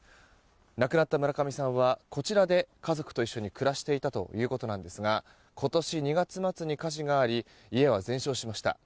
亡くなった村上さんはこちらで家族と一緒に暮らしていたということですが今年２月末に火事があり家は全焼しました。